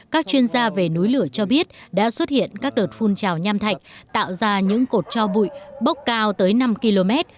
các chuyên gia về núi lửa cho biết đã xuất hiện các đợt phun trào nham thạch tạo ra những cột cho bụi bốc cao tới năm km